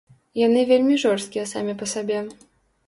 Яны вельмі жорсткія самі па сабе.